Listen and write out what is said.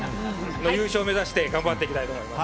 優勝を目指して頑張っていきたいと思います。